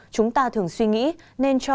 chúng ta thường suy nghĩ nên cho